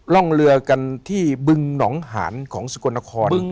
ร่องเรือกันที่บึงหนองหานของสกลนคร